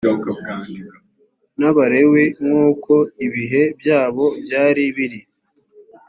n’ abalewi nk’uko ibihe byabo byari biri